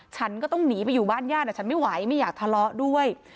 ฉันก็ต้องหนีไปอยู่บ้านญาติฉันไม่ไหวไม่อยากทะเลาะด้วย